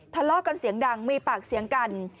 ทะเลาะกันเสียงดังมีปากเสียงกัน